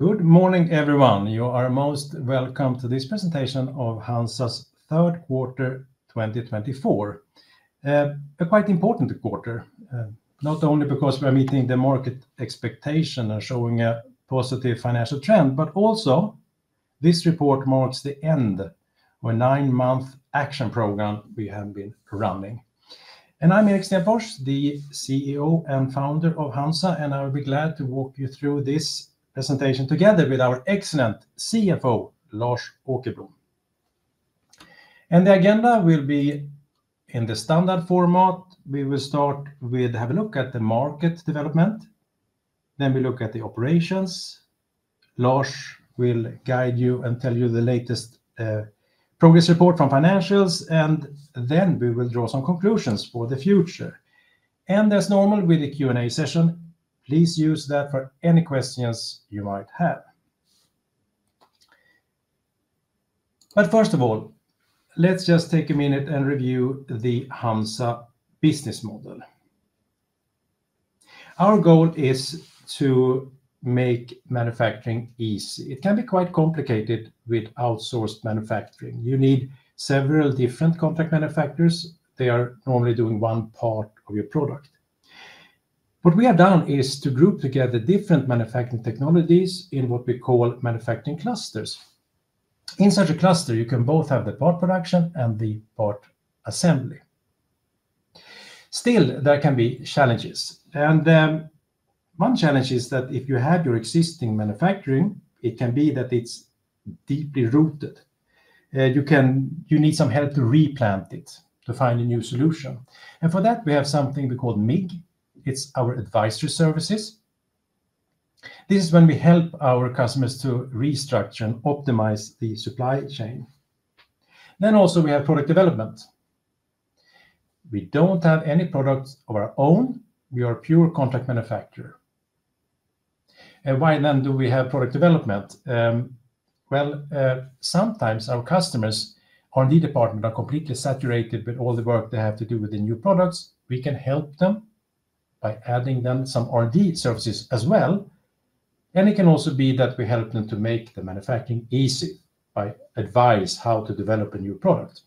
Good morning, everyone. You are most welcome to this presentation of HANZA's third quarter, 2024. A quite important quarter, not only because we are meeting the market expectation and showing a positive financial trend, but also this report marks the end of a nine-month action program we have been running, and I'm Erik Stenfors, the CEO and founder of HANZA, and I will be glad to walk you through this presentation together with our excellent CFO, Lars Åkerblom, and the agenda will be in the standard format. We will start with have a look at the market development, then we look at the operations. Lars will guide you and tell you the latest, progress report from financials, and then we will draw some conclusions for the future, and as normal, with the Q&A session, please use that for any questions you might have. But first of all, let's just take a minute and review the HANZA business model. Our goal is to make manufacturing easy. It can be quite complicated with outsourced manufacturing. You need several different contract manufacturers. They are normally doing one part of your product. What we have done is to group together different manufacturing technologies in what we call manufacturing clusters. In such a cluster, you can both have the part production and the part assembly. Still, there can be challenges, and one challenge is that if you had your existing manufacturing, it can be that it's deeply rooted. You need some help to replant it, to find a new solution, and for that, we have something we call MIG. It's our advisory services. This is when we help our customers to restructure and optimize the supply chain. Then also, we have product development. We don't have any products of our own. We are a pure contract manufacturer. And why then do we have product development? Well, sometimes our customers R&D department are completely saturated with all the work they have to do with the new products. We can help them by adding them some R&D services as well. And it can also be that we help them to make the manufacturing easy by advising how to develop a new product.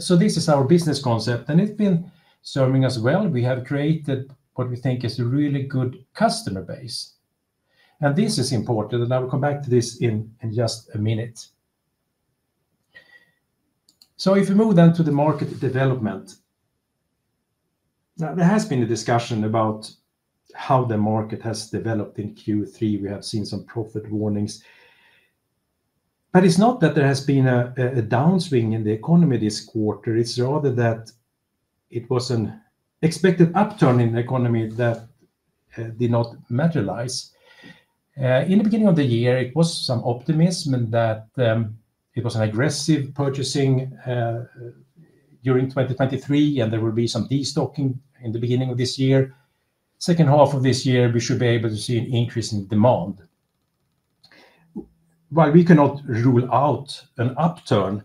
So this is our business concept, and it's been serving us well. We have created what we think is a really good customer base, and this is important, and I will come back to this in just a minute. So if you move then to the market development, now, there has been a discussion about how the market has developed in Q3. We have seen some profit warnings, but it's not that there has been a downswing in the economy this quarter. It's rather that it was an expected upturn in the economy that did not materialize. In the beginning of the year, it was some optimism and that it was an aggressive purchasing during 2023, and there will be some destocking in the beginning of this year. Second half of this year, we should be able to see an increase in demand. While we cannot rule out an upturn,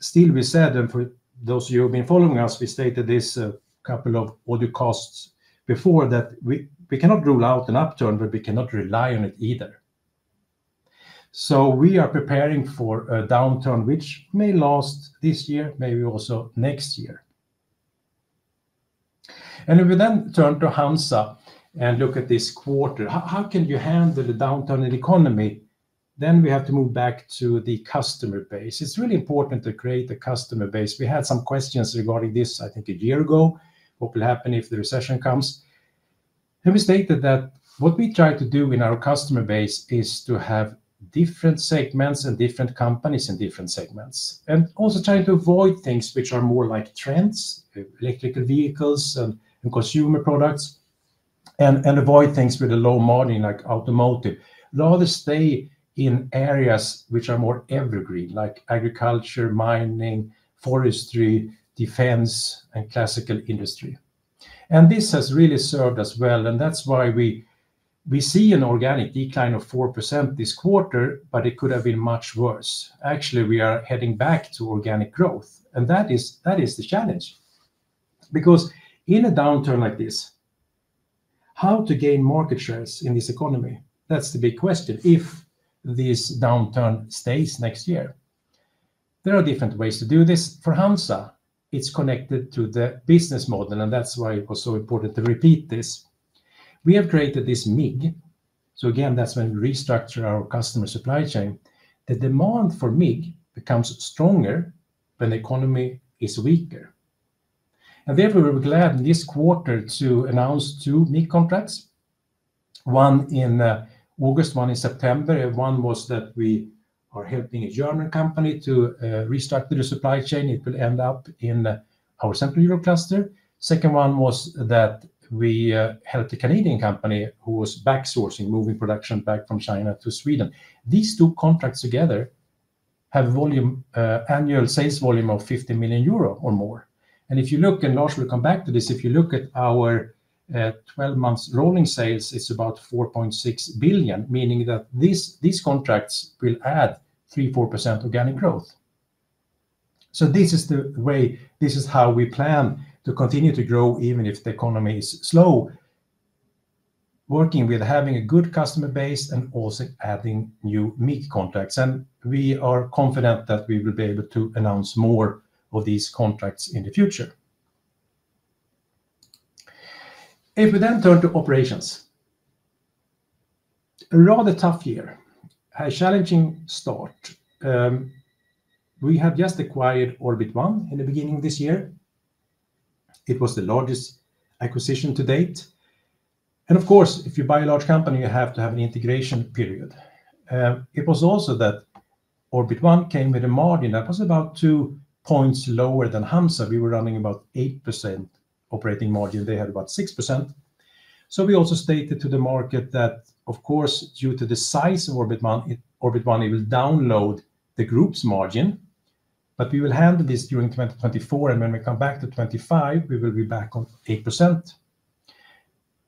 still, we said, and for those of you who've been following us, we stated this a couple of audiocasts before, that we cannot rule out an upturn, but we cannot rely on it either. So we are preparing for a downturn which may last this year, maybe also next year. And if we then turn to HANZA and look at this quarter, how can you handle the downturn in economy? Then we have to move back to the customer base. It's really important to create the customer base. We had some questions regarding this, I think a year ago. What will happen if the recession comes? And we stated that what we try to do in our customer base is to have different segments and different companies in different segments, and also trying to avoid things which are more like trends, electric vehicles and consumer products, and avoid things with a low margin, like automotive. Rather, stay in areas which are more evergreen, like agriculture, mining, forestry, defense, and classical industry. This has really served us well, and that's why we see an organic decline of 4% this quarter, but it could have been much worse. Actually, we are heading back to organic growth, and that is the challenge, because in a downturn like this, how to gain market shares in this economy? That's the big question, if this downturn stays next year. There are different ways to do this. For HANZA, it's connected to the business model, and that's why it was so important to repeat this. We have created this MIG, so again, that's when we restructure our customer supply chain. The demand for MIG becomes stronger when the economy is weaker, and therefore, we're glad in this quarter to announce two MIG contracts, one in August, one in September. One was that we are helping a German company to restructure their supply chain. It will end up in our Central Europe cluster. Second one was that we helped a Canadian company who was back-sourcing, moving production back from China to Sweden. These two contracts together have volume annual sales volume of 50 million euro or more. And if you look, and Lars Åkerblom will come back to this, if you look at our twelve months rolling sales, it's about 4.6 billion, meaning that these contracts will add 3%-4% organic growth. So this is the way, this is how we plan to continue to grow, even if the economy is slow. Working with having a good customer base and also adding new MIG contracts, and we are confident that we will be able to announce more of these contracts in the future. If we then turn to operations, a rather tough year, a challenging start. We had just acquired Orbit One in the beginning of this year. It was the largest acquisition to date, and of course, if you buy a large company, you have to have an integration period. It was also that Orbit One came with a margin that was about two points lower than HANZA. We were running about 8% operating margin. They had about 6%. We also stated to the market that, of course, due to the size of Orbit One, Orbit One will drag down the group's margin, but we will handle this during 2024, and when we come back to 2025, we will be back on 8%.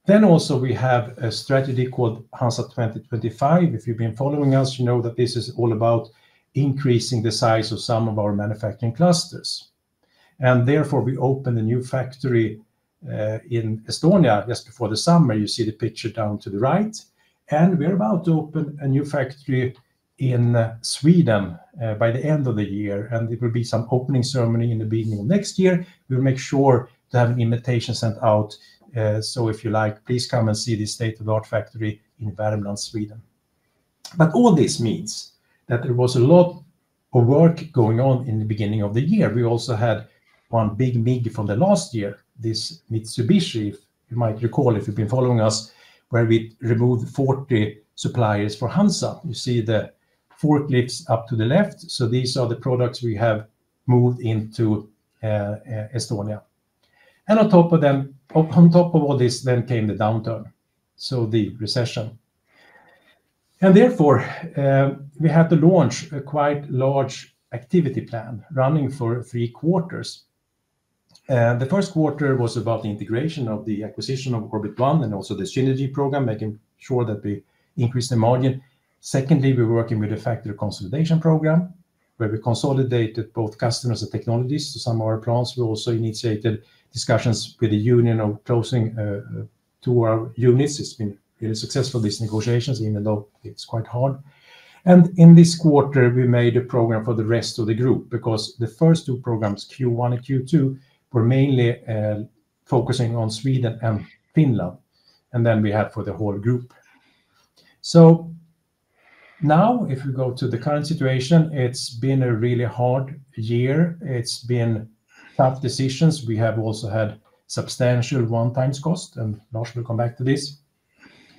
We also have a strategy called HANZA 2025. If you've been following us, you know that this is all about increasing the size of some of our manufacturing clusters, and therefore we opened a new factory in Estonia just before the summer. You see the picture down to the right, and we're about to open a new factory in Sweden by the end of the year, and it will be some opening ceremony in the beginning of next year. We'll make sure to have an invitation sent out, so if you like, please come and see the state-of-the-art factory in Värmland, Sweden. But all this means that there was a lot of work going on in the beginning of the year. We also had one big MIG from the last year, this Mitsubishi, you might recall, if you've been following us, where we removed 40 suppliers for HANZA. You see the forklifts up to the left, so these are the products we have moved into Estonia. And on top of all this, then came the downturn, so the recession. And therefore, we had to launch a quite large activity plan running for three quarters. The first quarter was about the integration of the acquisition of Orbit One and also the synergy program, making sure that we increased the margin. Secondly, we were working with the factory consolidation program, where we consolidated both customers and technologies to some of our plants. We also initiated discussions with the union of closing two of our units. It's been really successful, these negotiations, even though it's quite hard, and in this quarter, we made a program for the rest of the group, because the first two programs, Q1 and Q2, were mainly focusing on Sweden and Finland, and then we had for the whole group. Now, if we go to the current situation, it's been a really hard year. It's been tough decisions. We have also had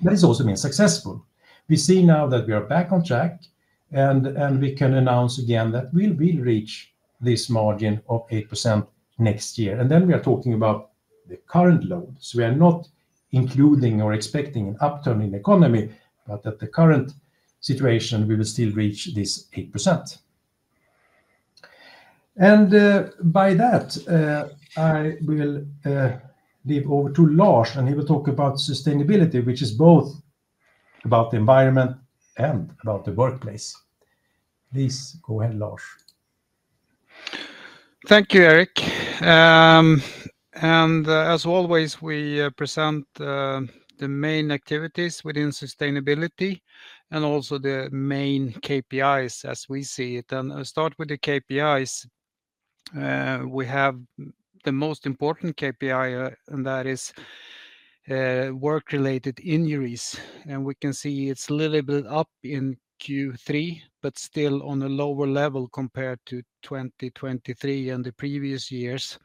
substantial one-time costs, and Lars will come back to this, but it's also been successful. We see now that we are back on track, and we can announce again that we will reach this margin of 8% next year, and then we are talking about the current loads. We are not including or expecting an upturn in the economy, but at the current situation, we will still reach this 8%. By that, I will hand over to Lars, and he will talk about sustainability, which is both about the environment and about the workplace. Please go ahead, Lars. Thank you, Erik. And as always, we present the main activities within sustainability and also the main KPIs as we see it. And I'll start with the KPIs. We have the most important KPI, and that is work-related injuries, and we can see it's a little bit up in Q3, but still on a lower level compared to 2023 and the previous years.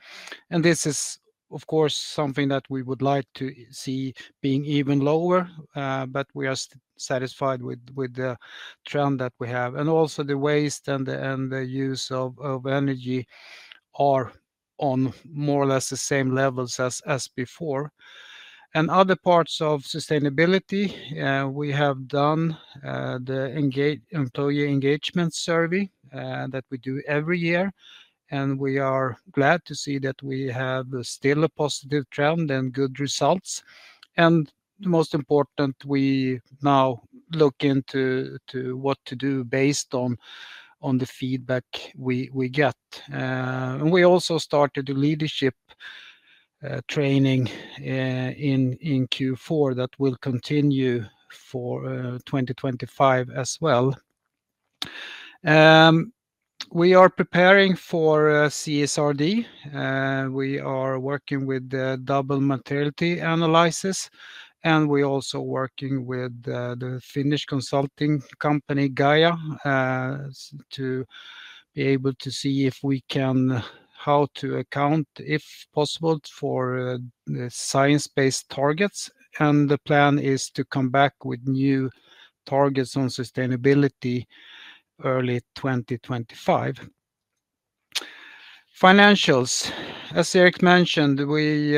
And this is, of course, something that we would like to see being even lower, but we are satisfied with the trend that we have. And also the waste and the use of energy are on more or less the same levels as before. Other parts of sustainability, we have done the employee engagement survey that we do every year, and we are glad to see that we have still a positive trend and good results. Most important, we now look into what to do based on the feedback we get. And we also started a leadership training in Q4 that will continue for 2025 as well. We are preparing for CSRD, we are working with the double materiality analysis, and we're also working with the Finnish consulting company, Gaia, to be able to see if we can how to account, if possible, for the science-based targets. The plan is to come back with new targets on sustainability early 2025. Financials as Erik mentioned, we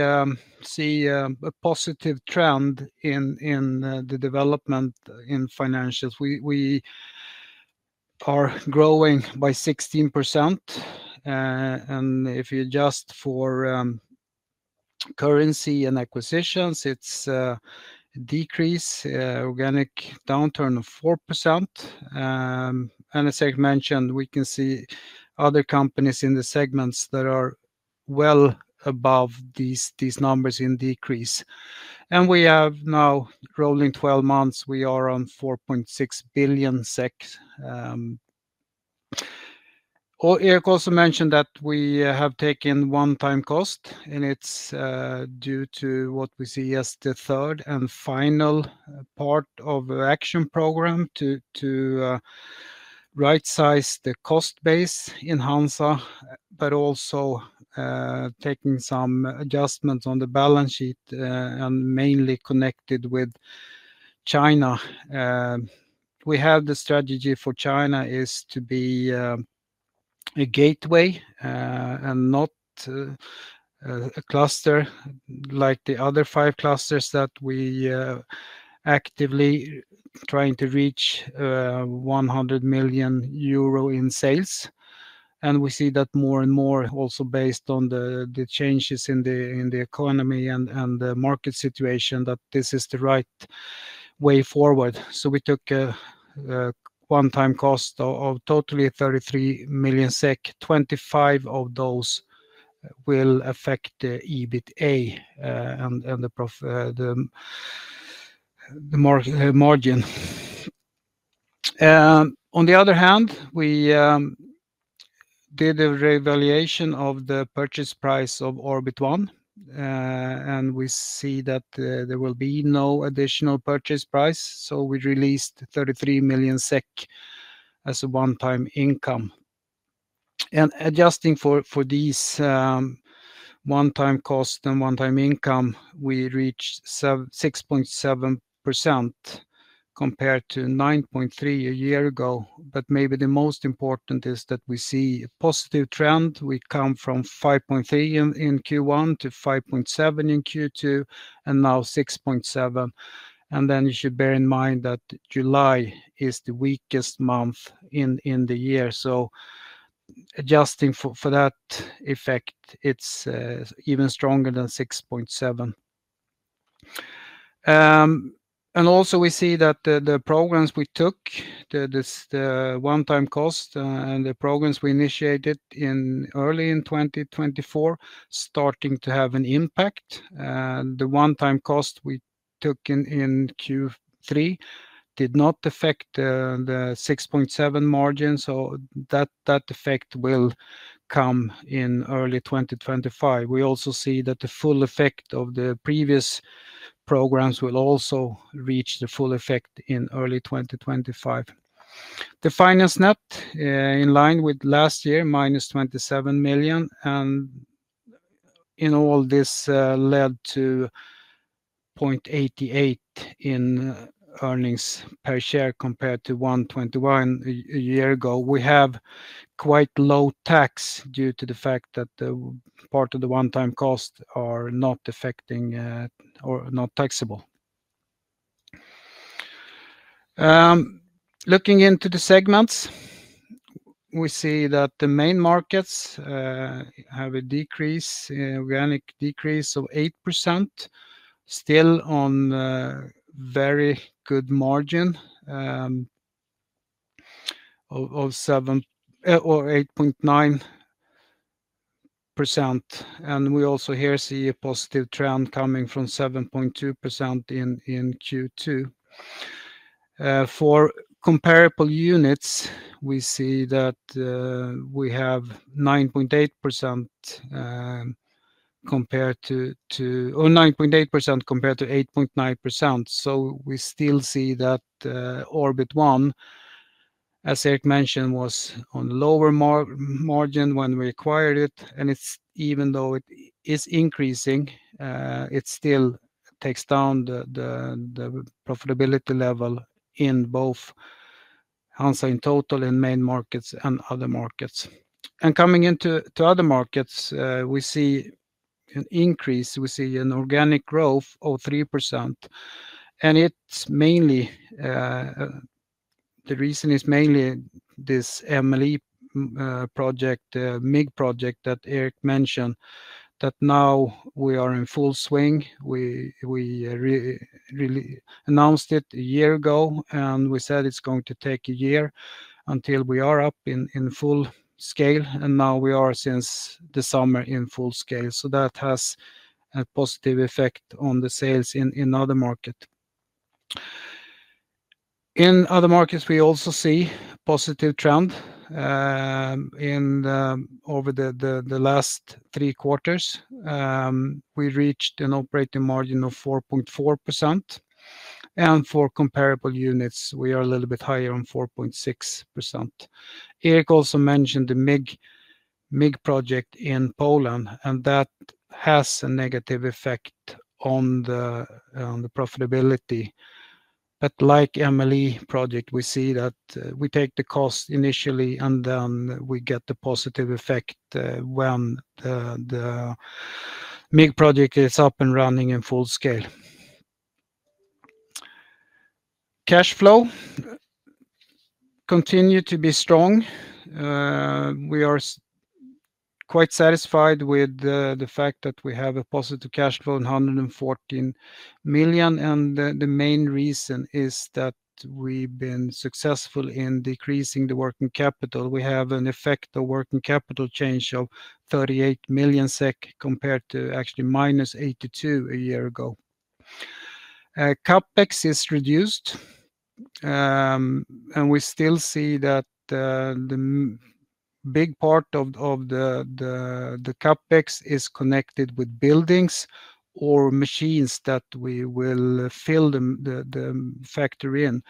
see a positive trend in the development in financials. We are growing by 16%, and if you adjust for currency and acquisitions, it's a decrease, an organic downturn of 4%. As Erik mentioned, we can see other companies in the segments that are well above these numbers in decrease, and we have now, rolling twelve months, we are on 4.6 billion SEK. Oh, Erik also mentioned that we have taken one-time cost, and it's due to what we see as the third and final part of the action program to right-size the cost base in HANZA, but also taking some adjustments on the balance sheet, and mainly connected with China. We have the strategy for China is to be a gateway and not a cluster like the other five clusters that we actively trying to reach 100 million euro in sales. We see that more and more also based on the changes in the economy and the market situation that this is the right way forward. We took a one-time cost of totally 33 million SEK. 25 million of those will affect the EBITA and the margin. On the other hand, we did a revaluation of the purchase price of Orbit One and we see that there will be no additional purchase price, so we released 33 million SEK as a one-time income. And adjusting for these one-time cost and one-time income, we reached 6.7% compared to 9.3% a year ago. But maybe the most important is that we see a positive trend. We come from 5.3% in Q1 to 5.7% in Q2, and now 6.7%. And then you should bear in mind that July is the weakest month in the year. So adjusting for that effect, it's even stronger than 6.7%. And also we see that the programs we took, the one-time cost, and the programs we initiated in early twenty twenty-four starting to have an impact. And the one-time cost we took in Q3 did not affect the 6.7% margin, so that effect will come in early twenty twenty-five. We also see that the full effect of the previous programs will also reach the full effect in early 2025. The finance net in line with last year, minus 27 million, and in all, this led to 0.88 in earnings per share, compared to 1.21 a year ago. We have quite low tax due to the fact that part of the one-time cost are not affecting or not taxable. Looking into the segments, we see that the main markets have a decrease, organic decrease of 8%, still on a very good margin of 7 or 8.9%. And we also here see a positive trend coming from 7.2% in Q2. For comparable units, we see that we have 9.8% compared to 8.9%. So we still see that, Orbit One, as Erik mentioned, was on lower margin when we acquired it. And it's, even though it is increasing, it still takes down the profitability level in both HANZA in total, in main markets, and other markets. And coming into other markets, we see an increase. We see an organic growth of 3%, and it's mainly. The reason is mainly this MLE project, MIG project that Erik mentioned, that now we are in full swing. We re-announced it a year ago, and we said it's going to take a year until we are up in full scale, and now we are, since the summer, in full scale. So that has a positive effect on the sales in other market. In other markets, we also see positive trend. Over the last three quarters, we reached an operating margin of 4.4%, and for comparable units, we are a little bit higher on 4.6%. Erik also mentioned the MIG project in Poland, and that has a negative effect on the profitability. But like MLE project, we see that we take the cost initially, and then we get the positive effect when the MIG project is up and running in full scale. Cash flow continue to be strong. We are quite satisfied with the fact that we have a positive cash flow of 114 million, and the main reason is that we've been successful in decreasing the working capital. We have an effect of working capital change of 38 million SEK compared to actually minus 82 a year ago. CapEx is reduced, and we still see that the big part of the CapEx is connected with buildings or machines that we will fill the factory in.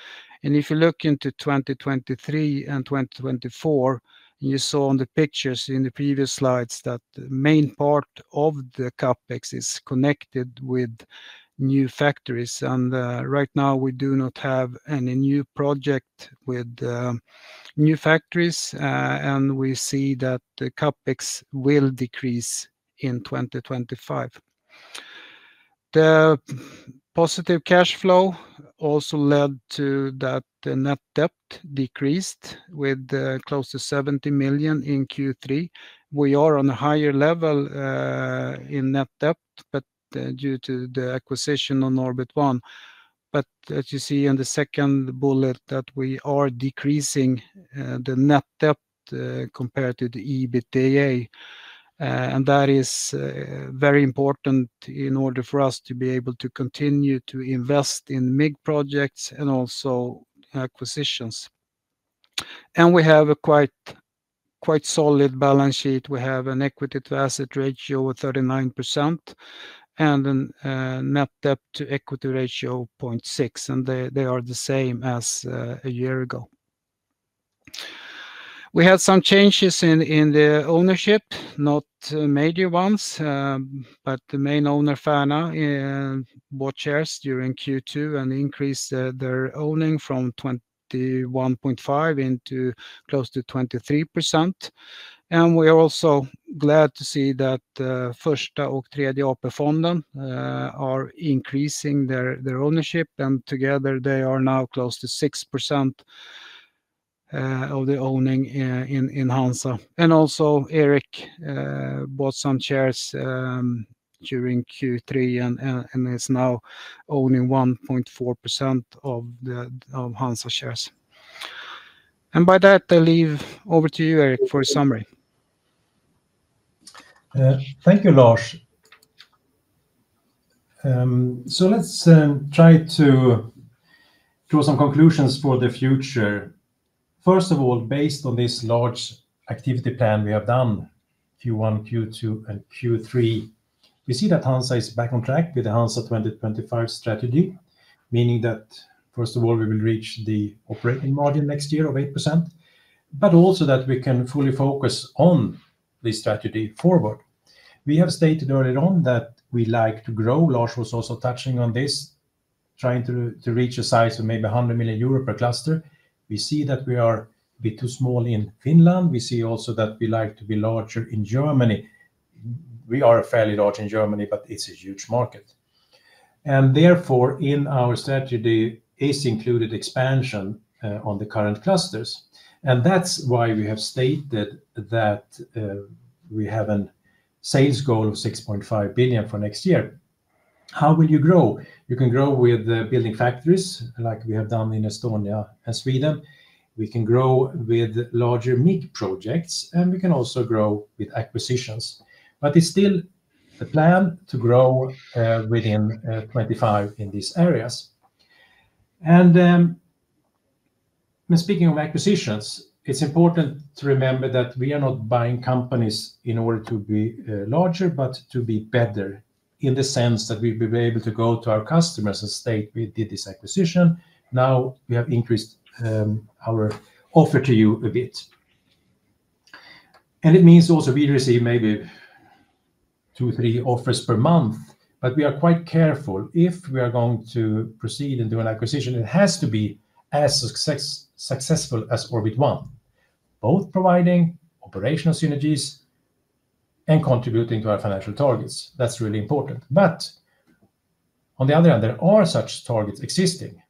And if you look into 2023 and 2024, you saw on the pictures in the previous slides that the main part of the CapEx is connected with new factories. And right now we do not have any new project with new factories. And we see that the CapEx will decrease in 2025. The positive cash flow also led to that the net debt decreased with close to 70 million in Q3. We are on a higher level in net debt, but due to the acquisition of Orbit One. But as you see in the second bullet, that we are decreasing the net debt compared to the EBITDA and that is very important in order for us to be able to continue to invest in MIG projects and also acquisitions. We have a quite solid balance sheet. We have an equity to asset ratio of 39% and an net debt to equity ratio of 0.6, and they are the same as a year ago. We had some changes in the ownership, not major ones. But the main owner, Färna, bought shares during Q2 and increased their owning from 21.5% into close to 23%. And we are also glad to see that Första AP-fonden are increasing their ownership, and together they are now close to 6% of the owning in HANZA. And also Erik bought some shares during Q3 and is now owning 1.4% of the HANZA shares. And by that, I leave over to you, Erik, for a summary. Thank you, Lars. So let's try to draw some conclusions for the future. First of all, based on this large activity plan we have done, Q1, Q2, and Q3, we see that HANZA is back on track with the HANZA 2025 strategy, meaning that, first of all, we will reach the operating margin next year of 8%, but also that we can fully focus on the strategy forward. We have stated early on that we like to grow. Lars was also touching on this, trying to reach a size of maybe 100 million euro per cluster. We see that we are a bit too small in Finland. We see also that we like to be larger in Germany. We are fairly large in Germany, but it's a huge market. And therefore, in our strategy is included expansion on the current clusters, and that's why we have stated that we have a sales goal of 6.5 billion for next year. How will you grow? You can grow with the building factories like we have done in Estonia and Sweden. We can grow with larger MIG projects, and we can also grow with acquisitions. But it's still the plan to grow within 2025 in these areas. And when speaking of acquisitions, it's important to remember that we are not buying companies in order to be larger, but to be better, in the sense that we've been able to go to our customers and state we did this acquisition, now we have increased our offer to you a bit. It means also we receive maybe two, three offers per month, but we are quite careful. If we are going to proceed and do an acquisition, it has to be as successful as Orbit One, both providing operational synergies and contributing to our financial targets. That's really important. But on the other hand, there are such targets existing,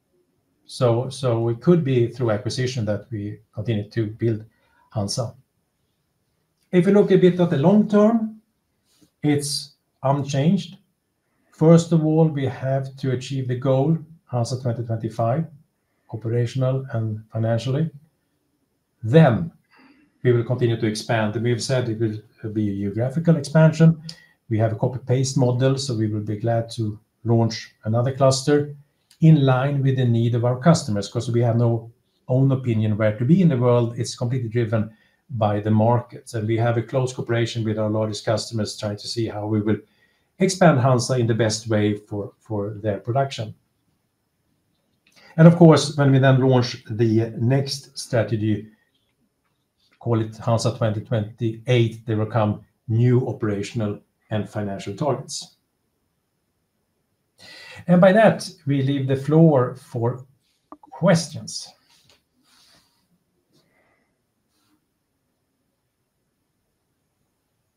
so it could be through acquisition that we continue to build HANZA. If you look a bit at the long term, it's unchanged. First of all, we have to achieve the goal, HANZA 2025, operational and financially. Then we will continue to expand, and we have said it will be a geographical expansion. We have a copy-paste model, so we will be glad to launch another cluster in line with the need of our customers, 'cause we have no own opinion where to be in the world. It's completely driven by the markets, and we have a close cooperation with our largest customers, trying to see how we will expand HANZA in the best way for, for their production. And of course, when we then launch the next strategy, call it HANZA 2028, there will come new operational and financial targets. And by that, we leave the floor for questions.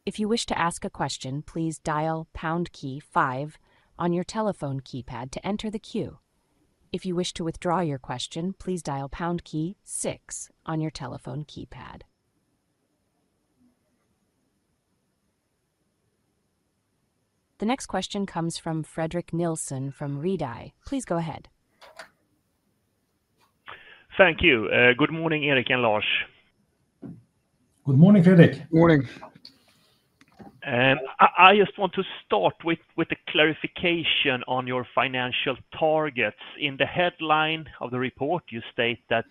If you wish to ask a question, please dial pound key five on your telephone keypad to enter the queue. If you wish to withdraw your question, please dial pound key six on your telephone keypad. The next question comes from Fredrik Nilsson from Redeye. Please go ahead. Thank you. Good morning, Erik and Lars. Good morning, Fredrik. Good morning. I just want to start with a clarification on your financial targets. In the headline of the report, you state that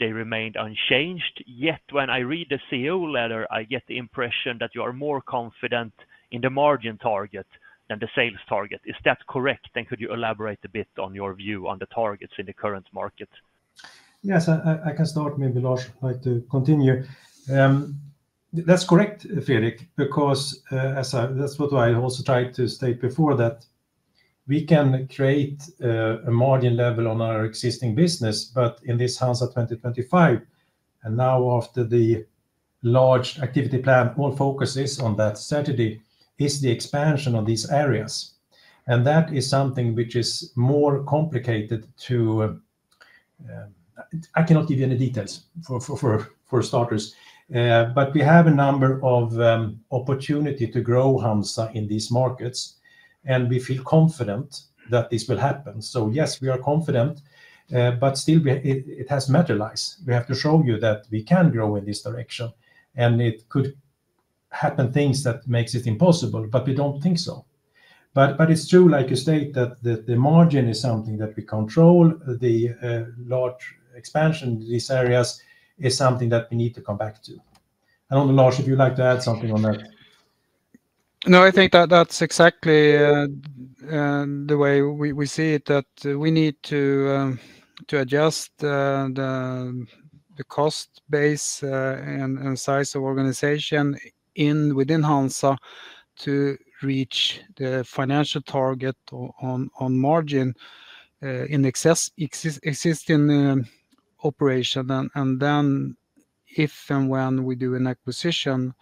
they remained unchanged, yet when I read the CEO letter, I get the impression that you are more confident in the margin target than the sales target. Is that correct? And could you elaborate a bit on your view on the targets in the current market? Yes, I can start maybe, Lars, like to continue. That's correct, Fredrik, because that's what I also tried to state before, that we can create a margin level on our existing business, but in this HANZA 2025, and now after the large activity plan, all focus is on that strategy is the expansion of these areas. And that is something which is more complicated to. I cannot give you any details for starters. But we have a number of opportunity to grow HANZA in these markets, and we feel confident that this will happen. So yes, we are confident, but still, it has materialized. We have to show you that we can grow in this direction, and it could happen things that makes it impossible, but we don't think so. But it's true, like you state, that the margin is something that we control. The large expansion to these areas is something that we need to come back to. I don't know, Lars, if you'd like to add something on that? No, I think that that's exactly the way we see it, that we need to adjust the cost base and size of organization within HANZA to reach the financial target on margin in existing operation. Then if and when we do an acquisition,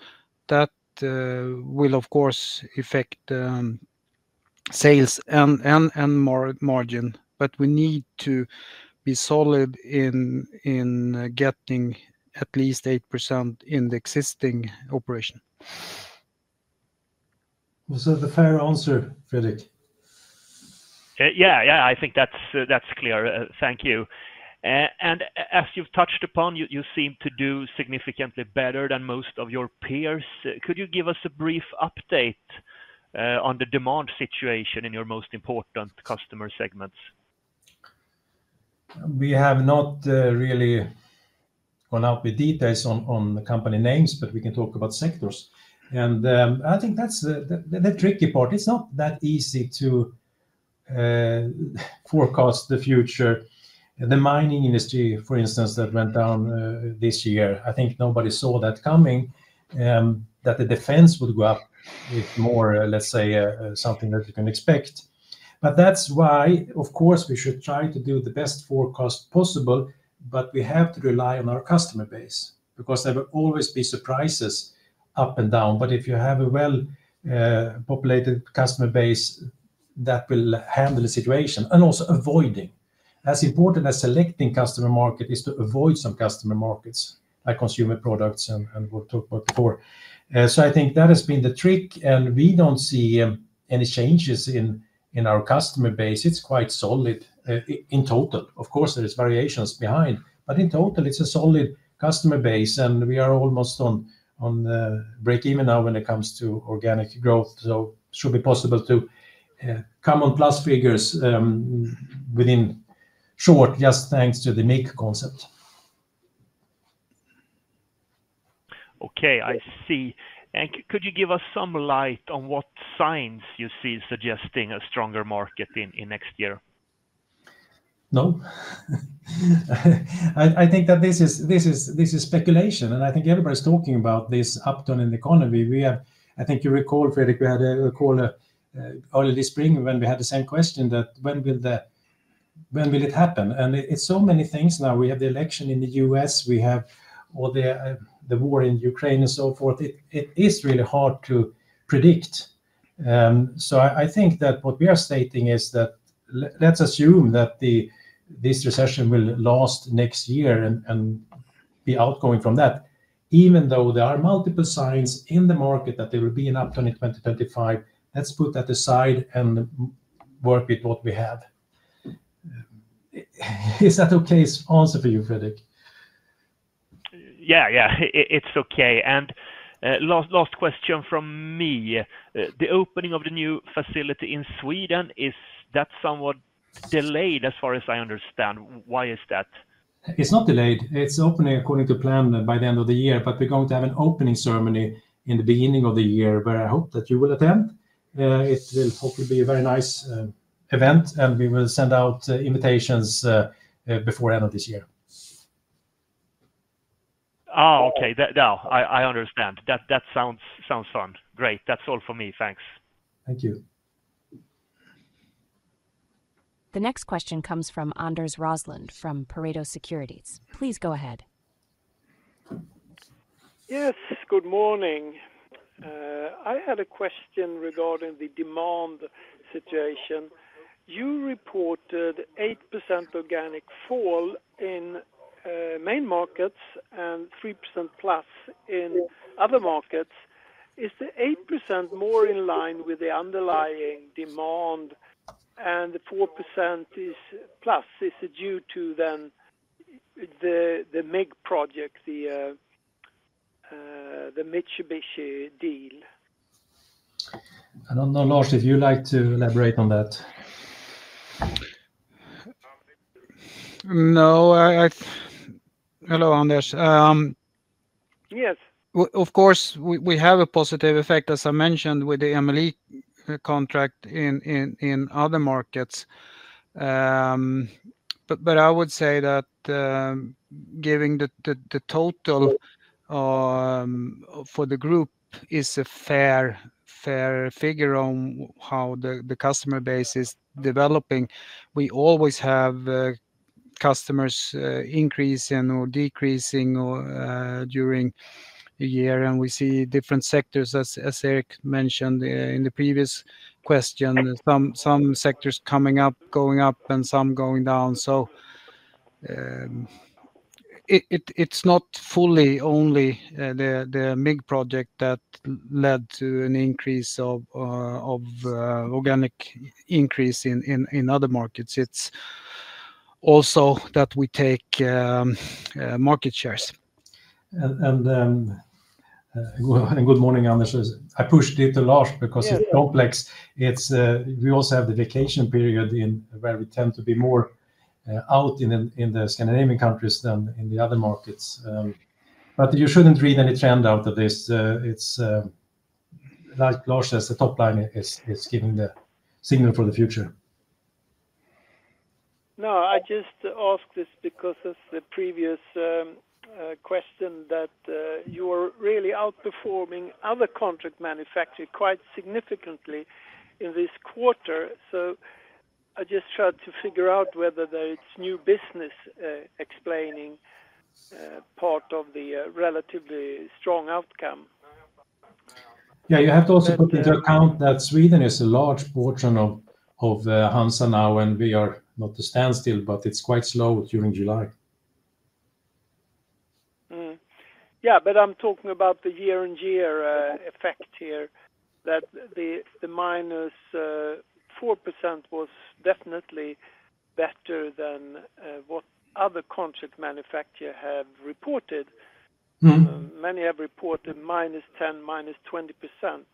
that will of course affect sales and margin. But we need to be solid in getting at least 8% in the existing operation. Was that a fair answer, Fredrik? Yeah, yeah, I think that's clear. Thank you. And as you've touched upon, you seem to do significantly better than most of your peers. Could you give us a brief update on the demand situation in your most important customer segments? We have not really gone out with details on the company names, but we can talk about sectors. And I think that's the tricky part. It's not that easy to forecast the future. The mining industry, for instance, that went down this year, I think nobody saw that coming, that the defense would go up with more, let's say, something that you can expect. But that's why, of course, we should try to do the best forecast possible, but we have to rely on our customer base because there will always be surprises up and down. But if you have a well populated customer base, that will handle the situation and also avoiding, as important as selecting customer market is to avoid some customer markets, like consumer products and what we talked about before. So I think that has been the trick, and we don't see any changes in our customer base. It's quite solid in total. Of course, there is variations behind, but in total, it's a solid customer base, and we are almost on the break even now when it comes to organic growth. So should be possible to come on plus figures within short, just thanks to the MIG concept. Okay, I see. And could you give us some light on what signs you see suggesting a stronger market in next year? No. I think that this is speculation, and I think everybody's talking about this uptick in the economy. We have. I think you recall, Fredrik, we had a call early this spring when we had the same question that when will the., when will it happen? It's so many things now. We have the election in the U.S., we have all the, the war in Ukraine and so forth. It is really hard to predict. So I think that what we are stating is that let's assume that this recession will last next year and be outgoing from that, even though there are multiple signs in the market that there will be an uptick in 2025. Let's put that aside and work with what we have. Is that okay answer for you, Fredrik? Yeah, yeah, it's okay. And last question from me. The opening of the new facility in Sweden, is that somewhat delayed, as far as I understand? Why is that? It's not delayed. It's opening according to plan by the end of the year, but we're going to have an opening ceremony in the beginning of the year, where I hope that you will attend. It will hopefully be a very nice event, and we will send out invitations before end of this year. Oh, okay. Now I understand. That sounds fun. Great. That's all for me. Thanks. Thank you. The next question comes from Anders Roslund, from Pareto Securities. Please go ahead. Yes, good morning. I had a question regarding the demand situation. You reported 8% organic fall in main markets and 3%+ in other markets. Is the 8% more in line with the underlying demand, and the 4% is plus, is it due to then the MIG project, the Mitsubishi deal? I don't know, Lars, if you'd like to elaborate on that? Hello, Anders. Yes. Of course, we have a positive effect, as I mentioned, with the MLE contract in other markets. But I would say that giving the total for the group is a fair figure on how the customer base is developing. We always have customers increasing or decreasing during the year, and we see different sectors, as Erik mentioned in the previous question, some sectors coming up, going up, and some going down. It's not fully only the MIG project that led to an increase of organic increase in other markets, it's also that we take market shares. Good morning, Anders. I pushed it to Lars because. Yeah It's complex. It's, we also have the vacation period in, where we tend to be more, out in the, in the Scandinavian countries than in the other markets. But you shouldn't read any trend out of this. It's, like Lars says, the top line is giving the signal for the future. No, I just asked this because of the previous question that you are really outperforming other contract manufacturing quite significantly in this quarter. So I just tried to figure out whether it's new business explaining part of the relatively strong outcome? Yeah, you have to also put into account that Sweden is a large portion of HANZA now, and we are not at a standstill, but it's quite slow during July. Yeah, but I'm talking about the year-on-year effect here, that the -4% was definitely better than what other contract manufacturer have reported. Many have reported -10%, -20%.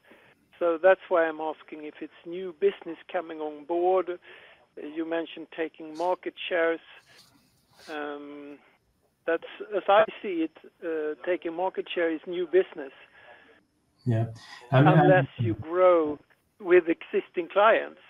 That's why I'm asking if it's new business coming on board. You mentioned taking market shares. That's, as I see it, taking market share is new business. Yeah. Unless you grow with existing clients.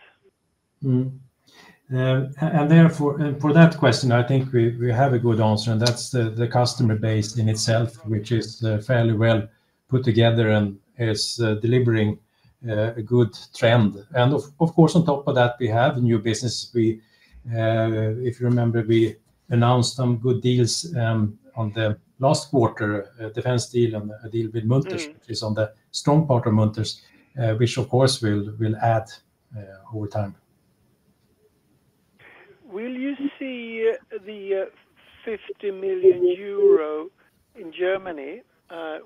Therefore, for that question, I think we have a good answer, and that's the customer base in itself, which is fairly well put together and is delivering a good trend. Of course, on top of that, we have new business. If you remember, we announced some good deals on the last quarter, defense deal and a deal with Munters which is on the strong part of Munters, which of course will add over time. Will you see the 50 million euro in Germany,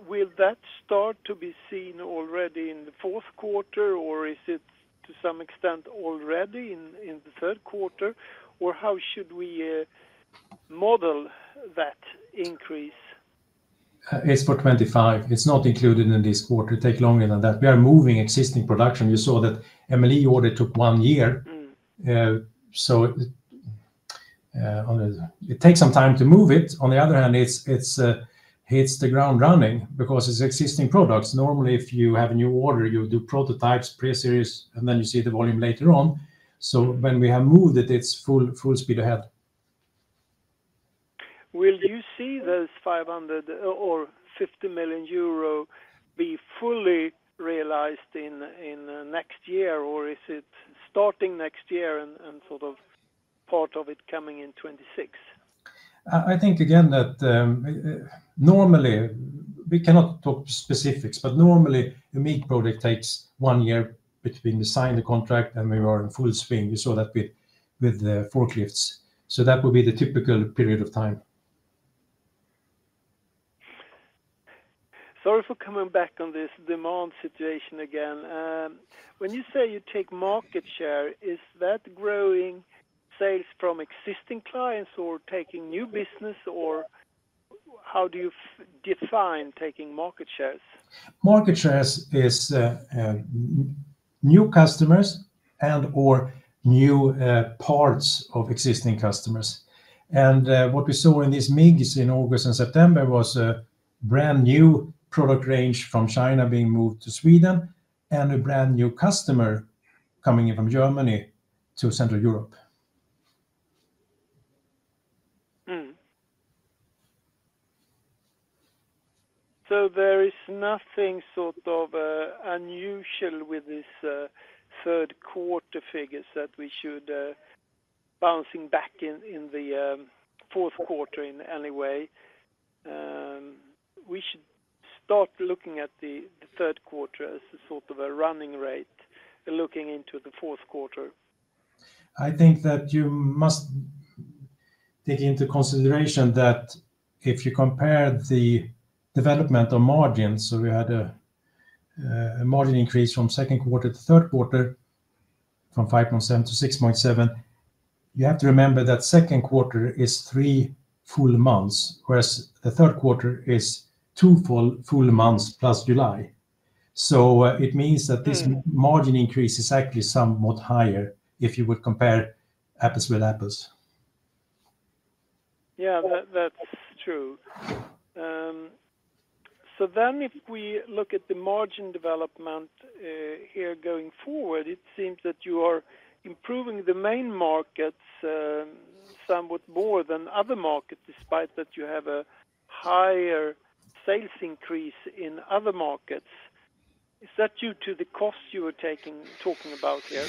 will that start to be seen already in the fourth quarter, or is it to some extent already in the third quarter, or how should we model that increase? It's for 2025. It's not included in this quarter. It take longer than that. We are moving existing production. You saw that MLE order took one year. So, it takes some time to move it. On the other hand, it's hits the ground running because it's existing products. Normally, if you have a new order, you do prototypes, pre-series, and then you see the volume later on. So when we have moved it, it's full speed ahead. Will you see those 500 or 50 million euro be fully realized in next year, or is it starting next year and sort of part of it coming in 2026? I think, again, that normally we cannot talk specifics, but normally a MIG project takes one year between you sign the contract and we are in full swing. We saw that with the forklifts. So that would be the typical period of time. Sorry for coming back on this demand situation again. When you say you take market share, is that growing sales from existing clients or taking new business, or how do you define taking market shares? Market shares is new customers and/or new parts of existing customers. And what we saw in this MIG is in August and September was a brand-new product range from China being moved to Sweden, and a brand-new customer coming in from Germany to Central Europe. So there is nothing sort of unusual with this third quarter figures that we should bouncing back in the fourth quarter in any way. We should start looking at the third quarter as a sort of a running rate, looking into the fourth quarter? I think that you must take into consideration that if you compare the development of margins, so we had a margin increase from second quarter to third quarter, from 5.7% to 6.7%. You have to remember that second quarter is three full months, whereas the third quarter is two full months plus July. So, it means that this Margin increase is actually somewhat higher if you would compare apples with apples. Yeah, that, that's true. So then if we look at the margin development here going forward, it seems that you are improving the main markets somewhat more than other markets, despite that you have a higher sales increase in other markets. Is that due to the costs you were talking about here?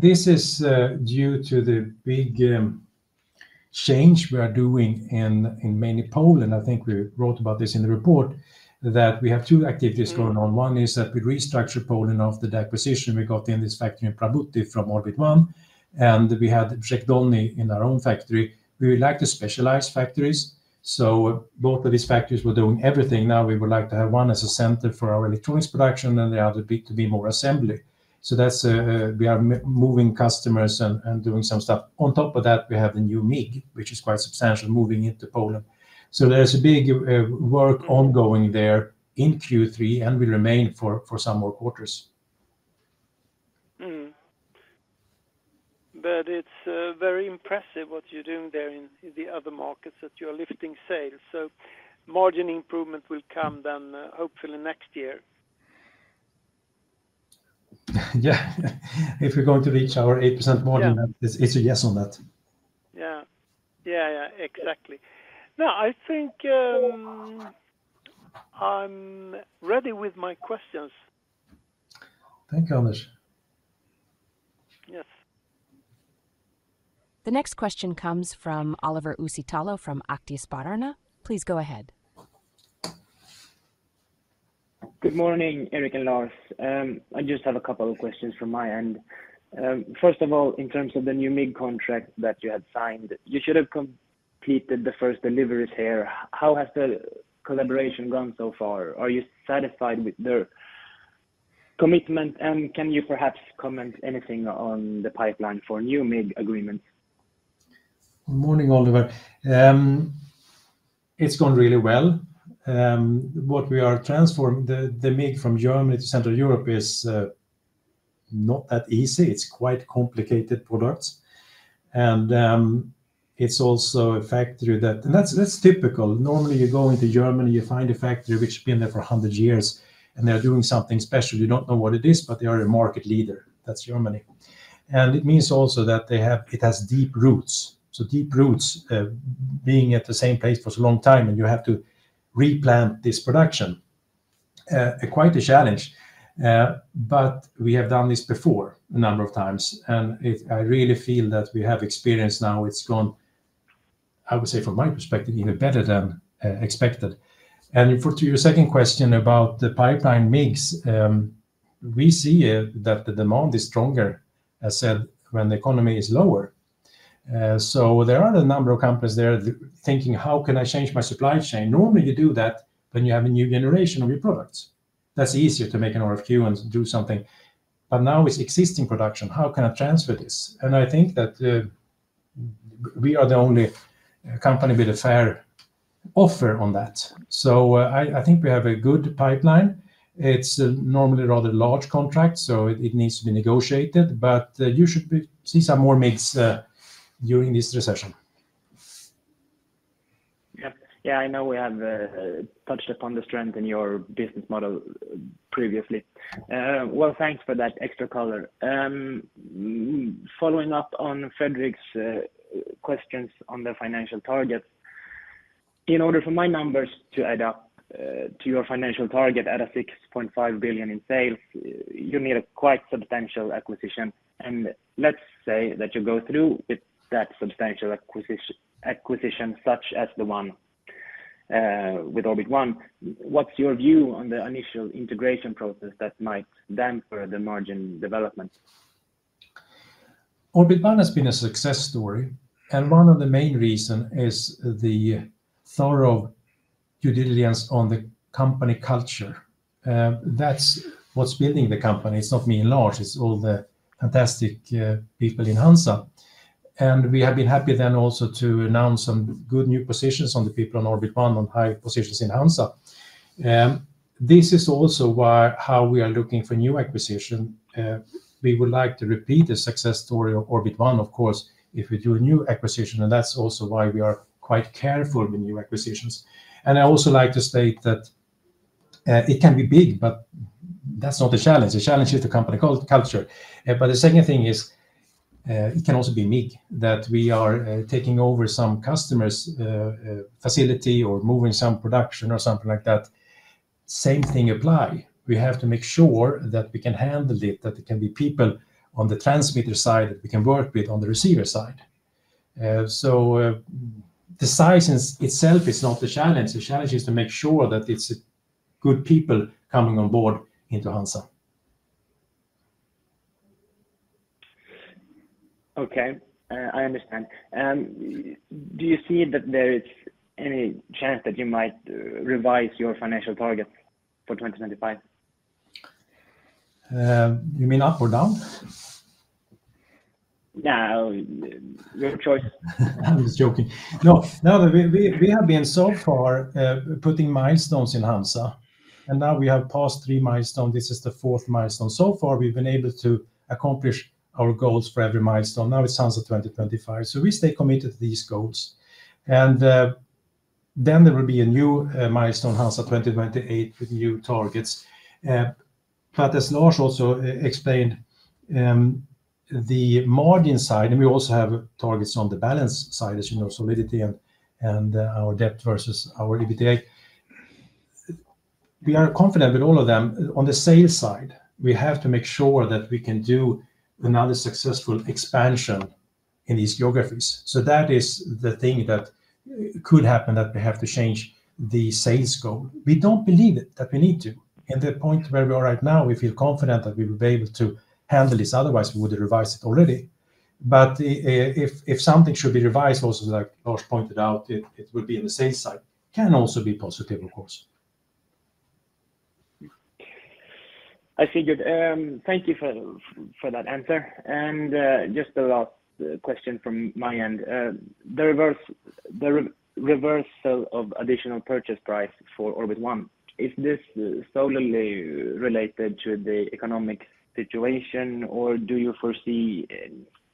This is due to the big change we are doing in mainly Poland. I think we wrote about this in the report, that we have two activities going on. One is that we restructure Poland after the acquisition we got in this factory in Prabuty from Orbit One, and we had Brzeg Dolny in our own factory. We would like to specialize factories, so both of these factories were doing everything. Now we would like to have one as a center for our electronics production and the other bit to be more assembly. So that's we are moving customers and doing some stuff. On top of that, we have the new MIG, which is quite substantial, moving into Poland. So there's a big work ongoing there in Q3, and will remain for some more quarters. But it's very impressive what you're doing there in the other markets, that you're lifting sales. So margin improvement will come then, hopefully next year. Yeah, if we're going to reach our 8% margin, it's a yes on that. Yeah. Yeah, yeah, exactly. No, I think, I'm ready with my questions. Thank you, Anders. Yes. The next question comes from Oliver Uusitalo from Aktiespararna. Please go ahead. Good morning, Erik and Lars. I just have a couple of questions from my end. First of all, in terms of the new MIG contract that you had signed, you should have completed the first deliveries here. How has the collaboration gone so far? Are you satisfied with their commitment, and can you perhaps comment anything on the pipeline for new MIG agreements? Good morning, Oliver. It's gone really well. What we are transforming, the MIG from Germany to Central Europe is not that easy. It's quite complicated products. And it's also a factory. And that's typical. Normally, you go into Germany, you find a factory which has been there for a hundred years, and they're doing something special. You don't know what it is, but they are a market leader. That's Germany. And it means also that it has deep roots. So deep roots, being at the same place for a long time, and you have to replant this production. Quite a challenge, but we have done this before a number of times, and I really feel that we have experience now. It's gone, I would say, from my perspective, even better than expected. As for your second question about the pipeline MIGs, we see that the demand is stronger, as said, when the economy is slower. So there are a number of companies there thinking, how can I change my supply chain? Normally, you do that when you have a new generation of your products. That's easier to make an RFQ and do something, but now it's existing production. How can I transfer this? And I think that we are the only company with a fair offer on that. So I think we have a good pipeline. It's normally a rather large contract, so it needs to be negotiated, but you should see some more MIGs during this recession. Yep. Yeah, I know we have touched upon the strength in your business model previously. Well, thanks for that extra color. Following up on Fredrik's questions on the financial targets, in order for my numbers to add up to your financial target at 6.5 billion in sales, you need a quite substantial acquisition. And let's say that you go through with that substantial acquisition, such as the one with Orbit One, what's your view on the initial integration process that might dampen the margin development? Orbit One has been a success story, and one of the main reason is the thorough due diligence on the company culture. That's what's building the company. It's not me and Lars, it's all the fantastic people in HANZA. And we have been happy then also to announce some good new positions on the people on Orbit One, on high positions in HANZA. This is also why, how we are looking for new acquisition. We would like to repeat the success story of Orbit One, of course, if we do a new acquisition, and that's also why we are quite careful with new acquisitions. And I also like to state it can be big, but that's not the challenge. The challenge is the company culture. But the second thing is, it can also be MIG, that we are taking over some customer's facility or moving some production or something like that. Same thing apply. We have to make sure that we can handle it, that it can be people on the transmitter side that we can work with on the receiver side, so the size in itself is not the challenge. The challenge is to make sure that it's good people coming on board into HANZA. Okay, I understand. Do you see that there is any chance that you might revise your financial targets for 2025? You mean up or down? Yeah, your choice. I'm just joking. No, no, we have been so far putting milestones in HANZA, and now we have passed three milestone. This is the fourth milestone. So far, we've been able to accomplish our goals for every milestone. Now, it's HANZA twenty twenty-five, so we stay committed to these goals. Then there will be a new milestone, HANZA twenty twenty-eight, with new targets, but as Lars also explained, the margin side, and we also have targets on the balance side, as you know, solidity and our debt versus our EBITDA. We are confident with all of them. On the sales side, we have to make sure that we can do another successful expansion in these geographies. So that is the thing that could happen, that we have to change the sales goal. We don't believe it, that we need to. In the point where we are right now, we feel confident that we will be able to handle this; otherwise, we would revise it already. But if something should be revised, also, like Lars pointed out, it would be on the sales side; it can also be positive, of course. I figured. Thank you for that answer. And just a last question from my end. The reversal of the additional purchase price for Orbit One, is this solely related to the economic situation, or do you foresee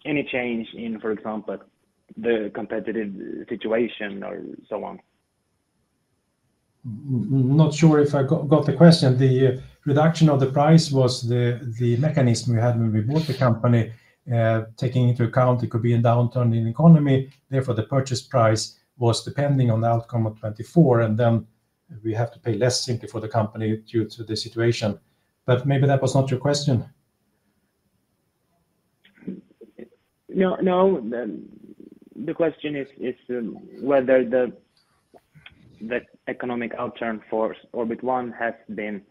any change in, for example, the competitive situation or so on? Not sure if I got the question. The reduction of the price was the mechanism we had when we bought the company, taking into account it could be a downturn in economy, therefore, the purchase price was depending on the outcome of 2024, and then we have to pay less simply for the company due to the situation. But maybe that was not your question. No, no. The question is whether the economic outcome for Orbit One has been,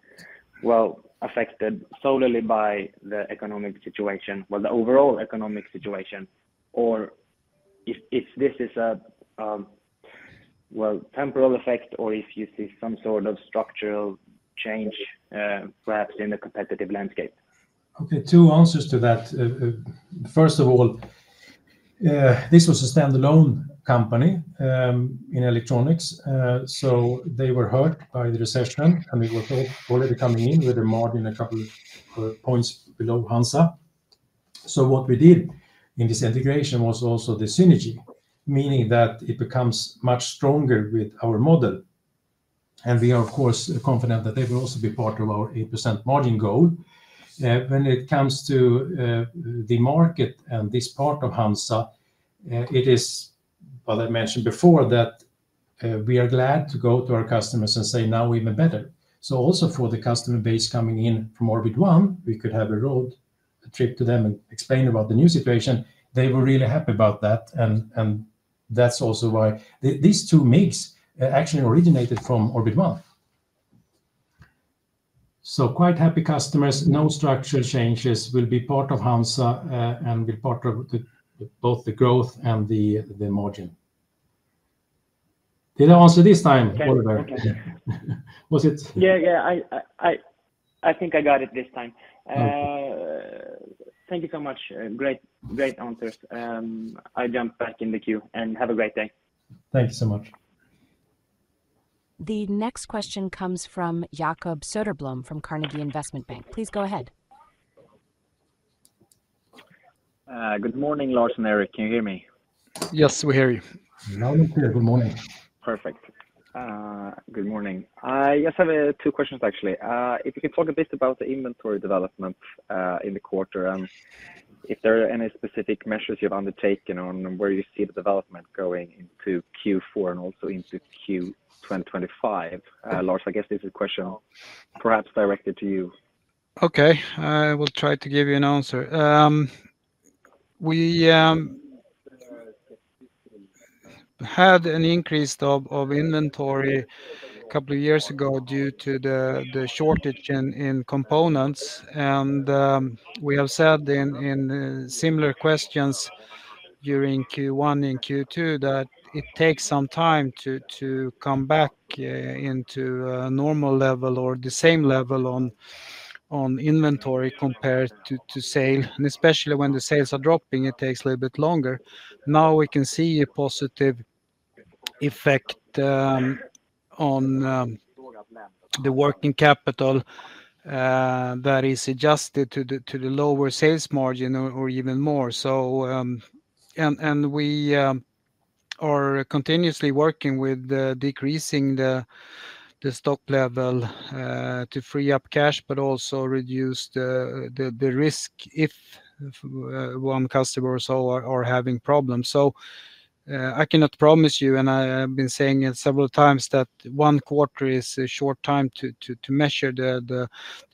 well, affected solely by the economic situation, well, the overall economic situation, or if this is a, well, temporal effect, or if you see some sort of structural change, perhaps in the competitive landscape? Okay, two answers to that. First of all, this was a standalone company in electronics. So they were hurt by the recession, and they were already coming in with a margin a couple of points below HANZA. So what we did in this integration was also the synergy, meaning that it becomes much stronger with our model, and we are, of course, confident that they will also be part of our 8% margin goal. When it comes to the market and this part of HANZA, it is. Well, I mentioned before that we are glad to go to our customers and say, now, we're even better. So also for the customer base coming in from Orbit One, we could have a road, a trip to them, and explain about the new situation. They were really happy about that, and that's also why. These two MIGs actually originated from Orbit One. So quite happy customers, no structure changes, will be part of HANZA, and be part of both the growth and the margin. Did I answer this time, Oliver? Okay. Okay. Was it. Yeah, I think I got it this time. Okay. Thank you so much. Great, great answers. I jump back in the queue, and have a great day. Thank you so much. The next question comes from Jakob Söderblom, from Carnegie Investment Bank. Please go ahead. Good morning, Lars and Erik. Can you hear me? Yes, we hear you. Loud and clear. Good morning. Perfect. Good morning. I just have two questions, actually. If you could talk a bit about the inventory development in the quarter, and if there are any specific measures you've undertaken on where you see the development going into Q4 and also into Q 2025. Lars, I guess this is a question perhaps directed to you. Okay, I will try to give you an answer. We had an increase of inventory a couple of years ago due to the shortage in components, and we have said in similar questions during Q1 and Q2 that it takes some time to come back into a normal level or the same level on inventory compared to sale, and especially when the sales are dropping, it takes a little bit longer. Now we can see a positive effect on the working capital that is adjusted to the lower sales margin or even more, so and we are continuously working with decreasing the stock level to free up cash, but also reduce the risk if one customer or so are having problems. I cannot promise you, and I have been saying it several times, that one quarter is a short time to measure the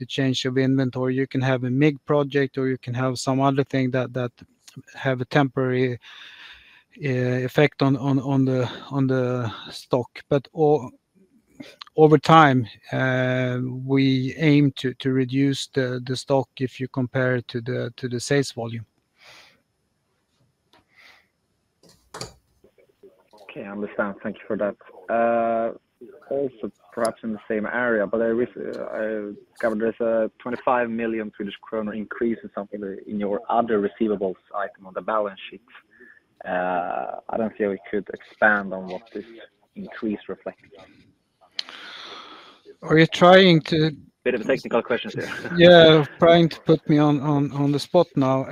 change of inventory. You can have a MIG project, or you can have some other thing that have a temporary effect on the stock. But over time, we aim to reduce the stock if you compare it to the sales volume. Okay, I understand. Thank you for that. Also, perhaps in the same area, but I, there's a 25 million Swedish kronor increase or something in your other receivables item on the balance sheet. I don't know if you could expand on what this increase reflects? We're trying to. Bit of a technical question here. Yeah, trying to put me on the spot now.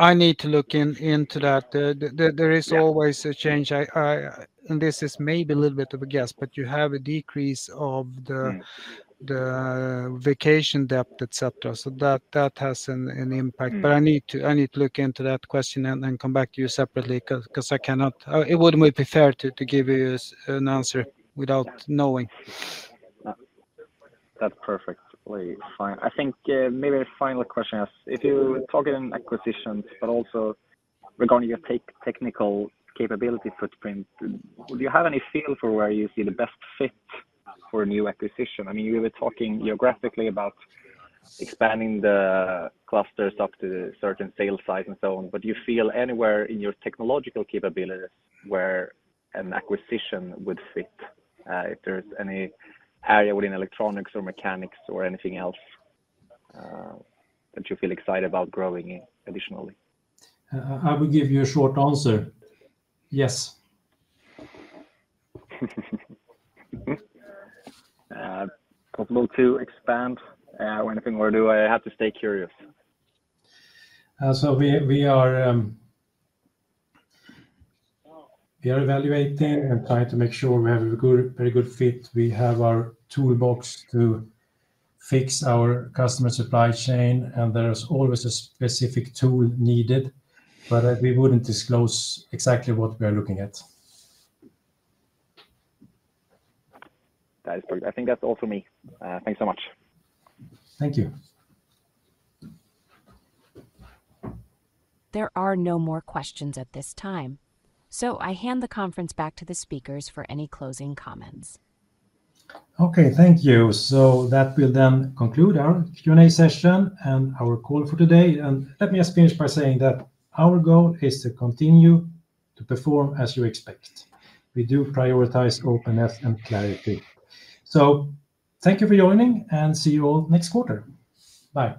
I need to look into that. There is always a change. I, and this is maybe a little bit of a guess, but you have a decrease of the vacation debt, et cetera, so that, that has an impact. But I need to look into that question and then come back to you separately, 'cause I cannot. It wouldn't be fair to give you an answer without knowing. That's perfectly fine. I think, maybe a final question is, if you're targeting acquisitions, but also regarding your technical capability footprint, do you have any feel for where you see the best fit for a new acquisition? I mean, you were talking geographically about expanding the clusters up to a certain sales size and so on, but do you feel anywhere in your technological capabilities where an acquisition would fit? If there's any area within electronics or mechanics or anything else, that you feel excited about growing additionally? I will give you a short answer, yes. Possible to expand, or anything, or do I have to stay curious? So we are evaluating and trying to make sure we have a good, very good fit. We have our toolbox to fix our customer supply chain, and there is always a specific tool needed, but we wouldn't disclose exactly what we are looking at. That is great. I think that's all for me. Thanks so much. Thank you. There are no more questions at this time, so I hand the conference back to the speakers for any closing comments. Okay. Thank you, so that will then conclude our Q&A session and our call for today, and let me just finish by saying that our goal is to continue to perform as you expect. We do prioritize openness and clarity, so thank you for joining, and see you all next quarter. Bye.